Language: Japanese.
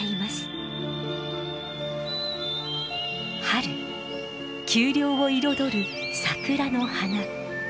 春丘陵を彩る桜の花。